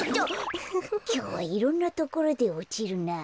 きょうはいろんなところでおちるなあ。